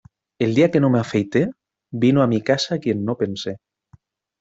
El día que no me afeité, vino a mi casa quien no pensé.